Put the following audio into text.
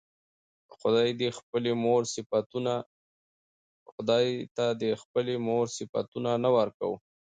خداى ته د خپلې مور صفتونه نه ورکوو